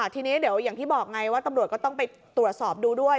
ทีนี้เดี๋ยวอย่างที่บอกไงว่าตำรวจก็ต้องไปตรวจสอบดูด้วย